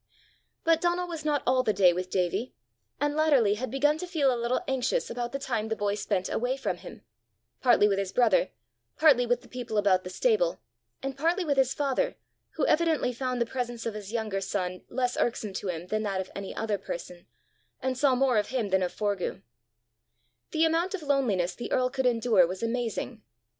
But Donal was not all the day with Davie, and latterly had begun to feel a little anxious about the time the boy spent away from him partly with his brother, partly with the people about the stable, and partly with his father, who evidently found the presence of his younger son less irksome to him than that of any other person, and saw more of him than of Forgue: the amount of loneliness the earl could endure was amazing.